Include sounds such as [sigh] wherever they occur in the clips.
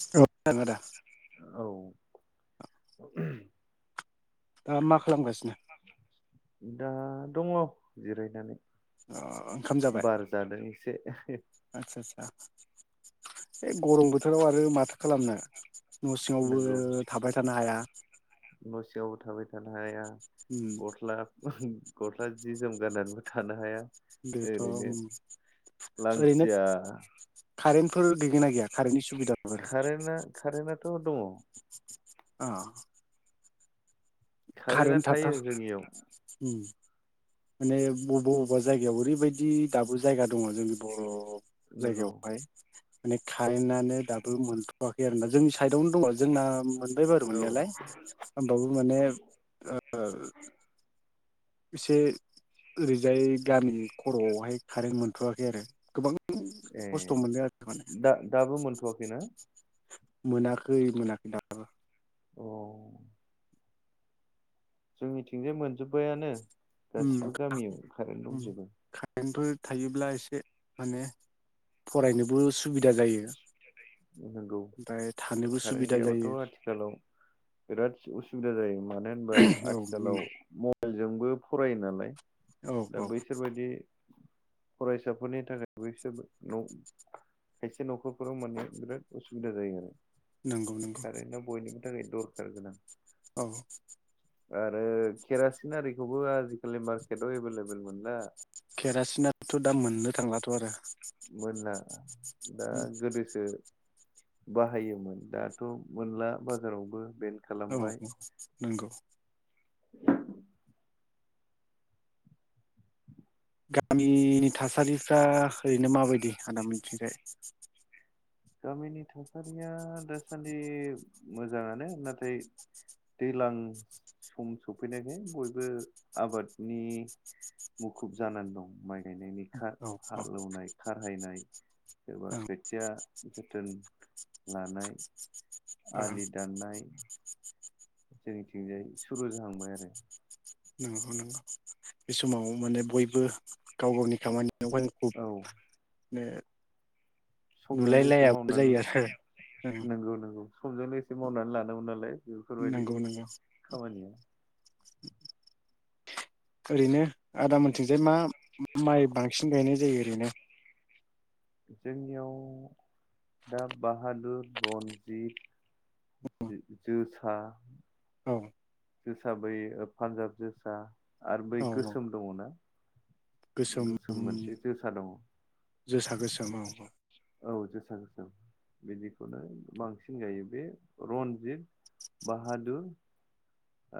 औ [unintelligible] [inaudible] दा मा खालामगासिनो? [inaudible] दा दङ जिरायनानै अ ओंखाम जाबाय बार जादों एसे आचसा आचसा [inaudible] है गरम बोथोराव आरो माथो खालामनो न' सिङावबो नंगौ थाबाय थानो हाया न' सिङावबो थाबाय थानो हाया उम गस्ला [inaudible] गस्ला जि जोम गाननानैबो थानो हाया बेथ' ओरैनो ओरैनो लांथिया कारेन्ट फोर गैगोन ना गैया कारेन्टनि सुबिदाफोर कारेन्टआ कारेन्टआथ' दङ अ कारेन्टआ कारेन्ट थायो थाथार जोंनियाव माने बबेबा बबेबा जायगायाव ओरैबायदि दाबो जायगा दङ जोंनि बर' नंगौ जायगायावहाय अनेक खारेनानो दाबो मोन होवाखै आरोबा जों साइदआवनो दङ जोंना मोनबाय बार औ मोननायालाय होमबाबो माने एसे ओरैजाय गामि खर'आवहाय खारेन्ट मोनथ'वाखै आरो गोबां ए खस्थ' मोनदों आरो माने दा दाबो मोनथ'वाखैना? मोनाखै मोनाखै दा बो अ जोंनिथिंजाय मोनजोब्बायानो गासिबो गामियाव कारेन्ट दंजोबो [unintelligible] थायोब्ला एसे माने फरायनोबो सुबिदा जायो। नंगौ ओमफ्राय थानोबो कारेन्ट सुबिदा गैयाबाथ' जायो आथिखालाव बिराद उसुबिदा जायो मानो होनबा औ आथिखालाव नंगौ [unintelligible] जोंबो फरायो नालाय औ दा औ बैसोरबायदि फरायसाफोरनि थाखाय बैसोरबो न' खायसे न'खरफोराव मोनो। बिराद असुबिदा जायो आरो। नंगौ नंगौ। कारेन्टआ बयनिबो थाखाय दरखार गोनां। औ आरो केरासिन आरिखौबो आजिखालि मार्केटाव एभेलेबेल मोनला। केरासिनाथ' दा मोननो थांलाथ' आरो। मोनला दा गोदोसो बाहायोमोन दाथ' मोनला बाजारावबो बेनो औ औ नोंगौ। [unintelligible] गामि नि थासारिफ्रा ओरैनो माबायदि आदा मोननिथिंजाय? गामिनि थासारिया दासान्दि मोजाङानो नाथाय दैज्लां सम सफैनायखाय बयबो आबादनि मुखुब जानानै दं माइ गायनायनि। हा औ हालौवनाय खारहायनाय सोरबा ओं खोथिया जोथोन लानाय। ओं आलि दान्नाय जोंनिथिंजाय सुरु जाहांबाय आरो। नंगौ नंगौ बे समाव माने बयबो गाव गावनि खामानि यावहाय औ मुखुब बे समजों लोगोसे मावनानै ओं नोंगौ नोंगौ। समजों लोगोसे मावनानै लानांगौ नालाय। बेफोरबायदि नंगौ नंगौ खामानिया ओरैनो आदा मोनथिंजाय मा माइ बां सिन गायनाय जायो ओरैनो? जोंनियाव दा बाहादुर, रनजित, जोसा, औ जोसा बै पान्जाब जोसा आरो बै औ औ गोसोम दङना गोसोम मोनसे जोसा दङ। जोसा गोसो औ जोसा गोसोम। बिदिखौनो बांसिन गायो बे रन्जित, बाहादुर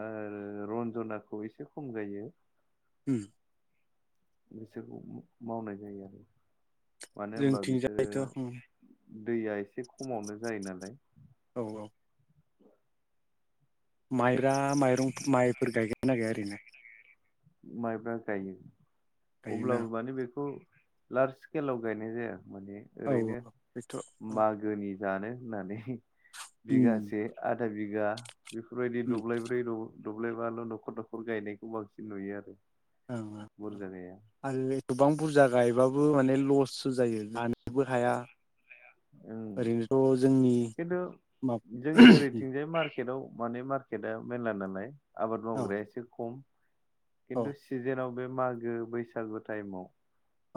आरो रन्जनाखौ एसे खम गायो। उम बिसोरखौ मावनाय जायो आरो। मानो होनबा बिसोरो जोंथिंजायथ' उम दैया एसे खमावनो जायो नालाय। औ औ। माइरा माइरं माइफोर गायगोना गाइया ओरैनो? माइब्रा गायो। गायोना अब्लाबो माने बेखौ लार्ज स्केलाव गायनाय जाया। माने औ ओरैनो बेथ' उम मागोनि जानो होननानै बिगासे, उम आधा बिगा बेफोरबायदि उम दब्लायब्रै, द दब्लायबाल नखर नखर गायनायखौ बांसिन नुयो आरो। औ ओ औ। बुरजा गैया आरो बे गोबां बुरजा गायबाबो माने लस सो जायो। लानोबो हाया। ओं। ओरैनोथ' जोंनि खिन्थु माब जोंनि ओरैथिंजाय मा र्केटाव माने मार्केटआ मेलला नालाय आबाद औ मावग्राया एसे खम। औ खिन्थु सिजेनआव बे मागो बैसागु टाइमाव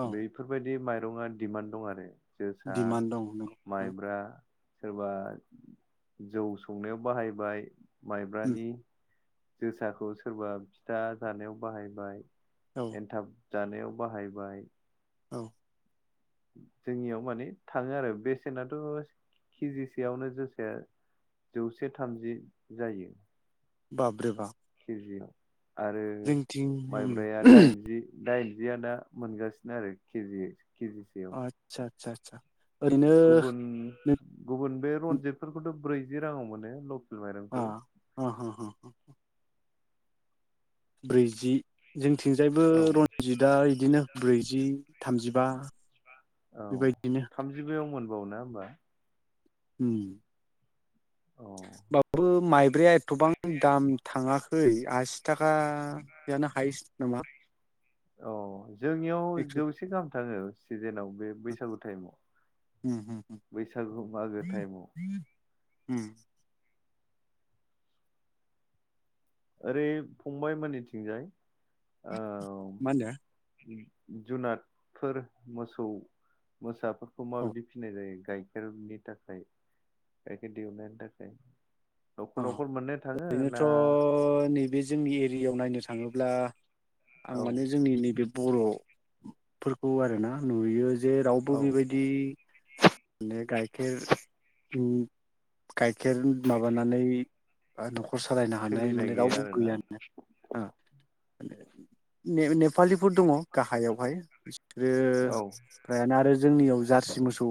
औ बेफोरबायदि माइ रङा डिमान्ड दं आरो। जोसा दिडिमान्ड दं नंगौ नों माइब्रा सोरबा जौ संनायाव बाहायबाय उम माइब्रानि। जोसाखौ सोरबा फिथा जानायाव बाहायबाय। औ एन्थाब। जानायाव बाहायबाय। औ। जोंनियाव माने थाङो आरो बेसेनाथ केजिसेयावनो जोसाया जौसे थामजि जायो। बाब्रे बा। के जि आव। आरो उम माइब्राया दाइनजि दाइन। जिया दा मोनगासिनो आरो केजियै। अ आतसा आतसा। आतसा गुबुन गुबुन बे रनजितफोरखौथ' ब्रैजि राङाव मोनो ल अ अ। ब्रैजि जों निथिंजायबो औ रनजितआ इदिनो ब्रैजि थामजिबा औ बेबायदिनो थामजिबायाव मोन बावो ना होमबा। होम। औ होबबो माइब्राया एथबां दाम थाङाखै आसि थाखायानो हाइस नामा। अ जोंनियाव एक्स' जौसे गाहाम थाङो। सिजेनाव बे बैसागु टाइमाव उम उम उम बैसागु मागो टाइमाव। होम। ओरै फंबायाइमोनानिथिंजाय ओम मा होनदो बिदि जुनादफोर मोसौ मोसाफोर खौ माबायदि फिनाय जायो? गाइखेरनि थाखाय गाइखेर दिहुननायनि थाखाय? न'खर अ न'खर मोननो थाङो ओरैनोथ' ना नैबे बे जोंनि एरियायाव नायनो थाङोब्ला आं औ माने जोंनि नैबे बर'फोरखौ आरोना नुयो जे रावबो औ बेबायदि माने गायखेर गायखेर माबाना नै बा न खर सालायनो हानाय सोलिनाय माने गैया रावबो आरोना गैयानो। न [unintelligible] नेफालिफोर दङ गाहायावहाय बिसोरो औ फ्रायानो आरो जोंनियाव जार्सि मोसौ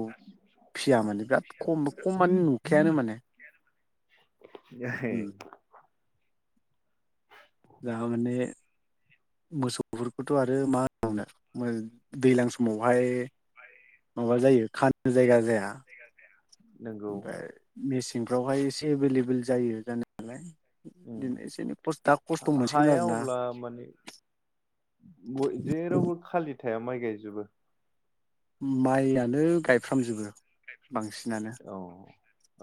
फिया माने बिराद खम ख माने नुखायानो माने। [unintelligible] दा माने मोसौफोरखौथ' आरो मा होननो दैज्लां समावहाय माबा जायो खानो जायगा जाया। नंगौ ओमफ्राय बेसे सेंफ्रावहाय एसे एभेलेबेल जायो जानायालाय। बिदिनो एसे एनै खस्थ दा खस्थ' मोनसिगोन हाया आरोना अब्ला माने ब-जेरावबो खालि [unintelligible] माइ गायजोबो। माइआानो गायफ्रामजोबो। बांसिनानो औ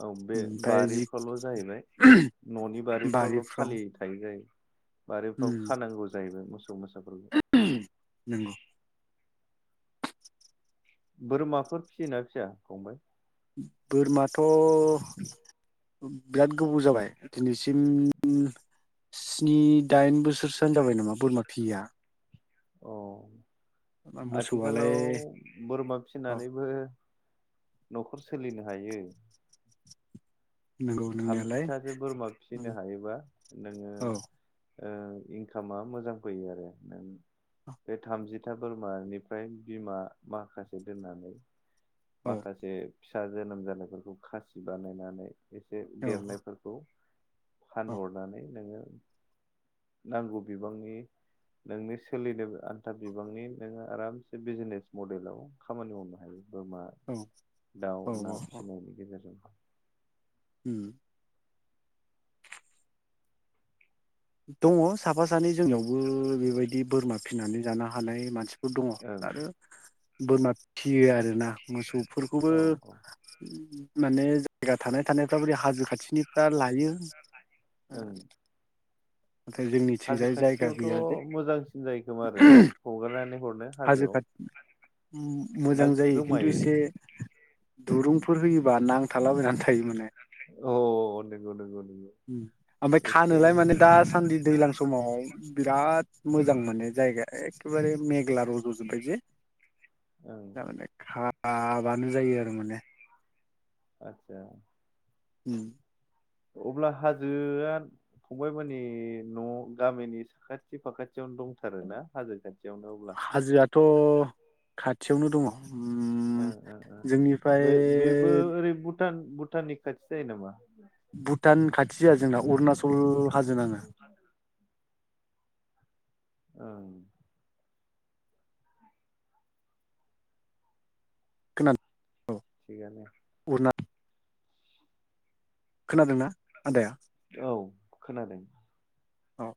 औ बे ओमफ्राय जि बारिफ्रावल' जाहैबाय न'नि बारिफ्रावल' बारिफ्राव खालि थायो जायो। बारिफ्राव खानांगौ जाहैबाय मोसौ। [unintelligible] नोंंगौ बोरमाफोर फिसियोना फिसा फंबाय? बोरमाथ' बिराद गोबाव जाबाय दिनैसिम स्नि दाइन बोसोरसोआानो जाबाय नामा बोरमा फियिया। अ मोसौआलाय आथिखालाव बोरमा औ फिनानैबो न'खर सोलिनो हायो। नंगौ नोंनायालाय थामजिथासो बोरमा फिसिनो हायोबा नोङो औ ओ इनकामा मोजां फैयो आरो। बे थामजिथा बोरमानिफ्राय बिमा माखासे दोननानै औ माखासे फिसा जोनोम जानायफोरखौ खासि बानायनानै एसे औ देरनायफोरखौ फानहरनानै नोङो नांगौ बिबांनि नोंनि सोलिनो आन्था बिबांनि नोङो आरामसे बिजिनेस मडेलाव खामानि मावनो हायो। बोरमा औ दाउ ना औ फिसिनायनि गेजेरजों। ओम दङ साफा सानै जोंनियावबो बेबायदि बोरमा फिनानै जानो हानाय मानसि। दङ ओं आरो। बोरमा फि फियो आरो ना मोसौफोरखौबो औ औ माने जायगा थानाय थानायफ्रा बोरै हाजो खाथिनिफ्रा लायो। ओं नाथाय हाजो जोंनिथिंजाय जायगा खाथियावथ' गैया जे मोजांसिन जायो खोमा आरोना हगारनानै हरनो हाजो हाजोआव खाथि ना मोजां जायो खिन्थु गोमायो एसे दुरुंफोर होयोबा नां अ नंगौ नंगौ नंगौ ओमफ्राय एसे एनै खानोलाय माने दासान्दि दैज्लां समाव बिराद मोजां मोनो जायगाया एखेबारे मेघ्ला रजजोबबाय जे ओं [unintelligible] आं बानो जायो आरो माने आतसा उम अब्ला हाजोआ फंबाइ मानानि न गामिनि साखाथि फाखाथियावनो दंथारोना हाजो खालि हाजोआथ खाथियावनो दङ ओ उम ओ ओ जोंनिफ्राय बे बेबो ओरै भुटान भुटाननि खाथि जायो नामा? भुटान खाथि जाया जोंना अरुणाचल हाजो नाङो। ओं खोना थिगानो उरना खोनादोंना आदाया औ खोनादों। औ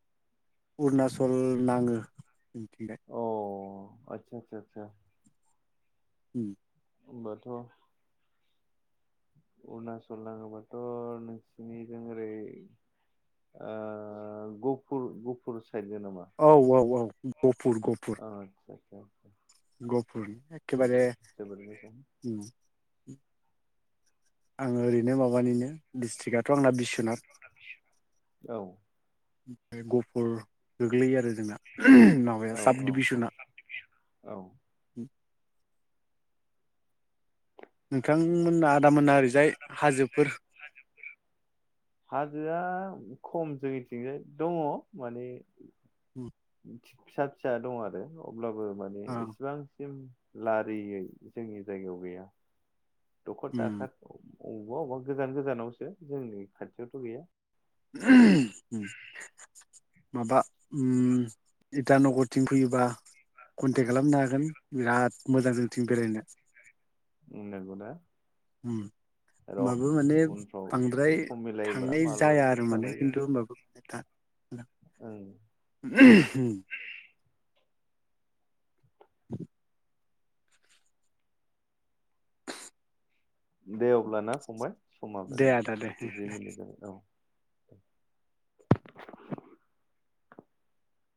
अरुनाचल नाङो। जोंनि थिंजाय। आतसा आतसा आतसा उम होमबाथ' अरुणाचल नाङोबाथ नोंसिनिजों ओरै ओ गुफुर गुफुर औ औ औ गहपुर गहपुर [unintelligible] गहपुरनि एखे बारे जोबोद जोबोद मोजां आङो ओरैनो माबानिनो डिसट्रिकआ थ' आंना बिस्वनाथ औ गहपुर गोग्लैयो आरो जोंना माबाया औ औ औ साबडिभिसना औ नोंथांमोना आदामोना ओरैजाय हाजोफोर [unintelligible] हाजोआ खम जोंनिथिंजाय दङ माने उम फिसा फिसा दं आरो औ अब्लाबो माने औ इसेबांसिम लारियै जोंनि जायगायाव गैया दखर उम दाखार अबेबा-अबेबा, गोजान-गोजानावसो जोंनि खाथियावथ' गैया। ओम माबा उम इटानगरथिं फैयोबा कन्टेक्ट खालामनो हागोन बिराद मोजां जोंथिं बेरायनो। बुंनांगौ ना उम र' होमबाबो माने उनफ्राव बांद्राय सम मिलायोबा थांनाय जाया आरो मालाबाफोर माने खिन्थु माबा खोथा ओं [inaudible] दे अब्ला ना फंबाय? दे आदा दे समाबो औ [inaudible]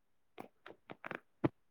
[inaudible]